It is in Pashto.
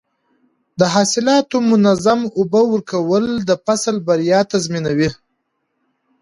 د حاصلاتو منظم اوبه ورکول د فصل بریا تضمینوي.